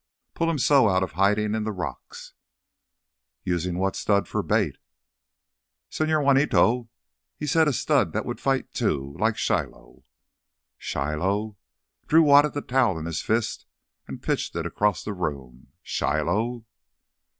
Pull him so out of hiding in the rocks—" "Using what stud for bait?" "Señor Juanito—he said a stud that would fight too, like Shiloh." "Shiloh!" Drew wadded the towel in his fist and pitched it across the room. "Shiloh!"